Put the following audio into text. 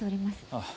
ああ。